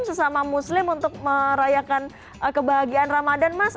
sesama muslim untuk merayakan kebahagiaan ramadan mas